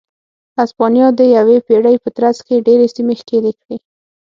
هسپانیا د یوې پېړۍ په ترڅ کې ډېرې سیمې ښکېلې کړې.